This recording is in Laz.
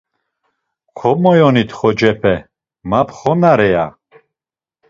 Komoyonit xocepe, ma pxonare ya.